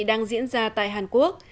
đang diễn ra tại hàn quốc